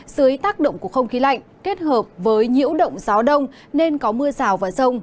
dưới tác động của không khí lạnh kết hợp với nhiễu động gió đông nên có mưa rào và rông